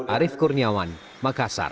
arief kurniawan makassar